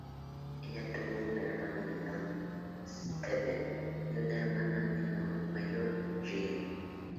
Ella tuvo un hermano menor, Stephen, y una hermana mayor, Jean.